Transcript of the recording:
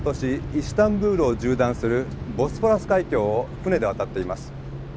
イスタンブールを縦断するボスポラス海峡を船で渡っています。